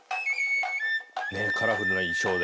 ねえカラフルな衣装で。